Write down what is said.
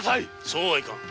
そうはいかん。